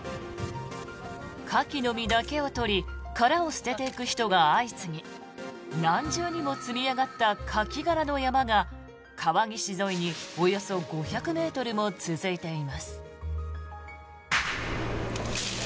カキの身だけを取り殻を捨てていく人が相次ぎ何重にも積み上がったカキ殻の山が川岸沿いにおよそ５００ｍも続いています。